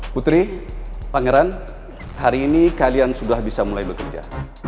putri pangeran hari ini kalian sudah bisa mulai bekerja